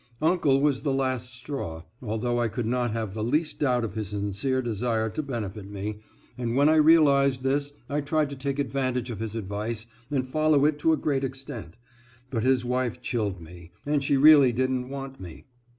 Uncle was the last straw, although I could not have the least doubt of his sincere desire to benefit me, and when I realized this I tried to take advantage of his advice and follow it to a great extent, but his wife chilled me, and she really didn't want me.